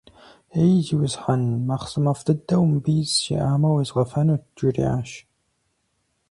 Ей, зиусхьэн, махъсымэфӀ дыдэу мыбы из сиӀамэ, уезгъэфэнут, - жриӀащ.